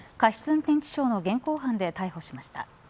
運転致傷の現行犯で逮捕しました。